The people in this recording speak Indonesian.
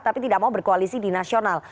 tapi tidak mau berkoalisi di nasional